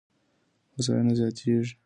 هوساينه زياتېږي.